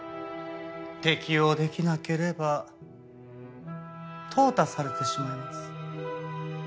適応できなければ淘汰されてしまいます。